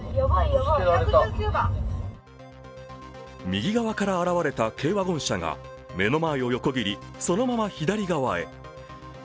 右側から現れた軽ワゴン車が、目の前を横切り、そのまま左側へ。